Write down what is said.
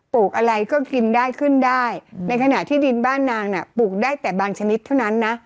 ลูกอะไรก็กินได้ขึ้นได้ในขณะที่ดินบ้านนางน่ะปลูกได้แต่บางชนิดเท่านั้นนะ